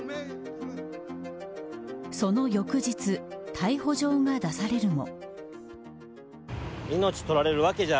その翌日逮捕状が出されるも。